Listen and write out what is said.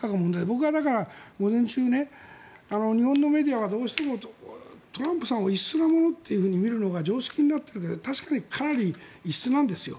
僕はだから午前中日本のメディアはどうしてもトランプさんを異質なものと見るのが常識になっているけどかなり異質なんですよ。